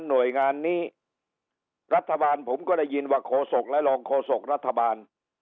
หน่วยงานนี้รัฐบาลผมก็ได้ยินว่าโคศกและรองโฆษกรัฐบาล